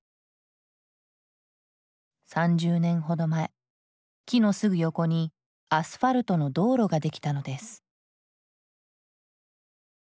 ３０年ほど前木のすぐ横にアスファルトの道路ができたのです。